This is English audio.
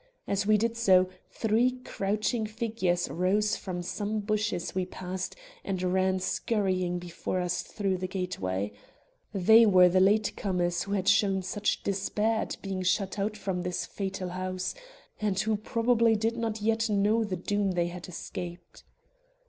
As we did so, three crouching figures rose from some bushes we passed and ran scurrying before us through the gateway. They were the late comers who had shown such despair at being shut out from this fatal house, and who probably did not yet know the doom they had escaped.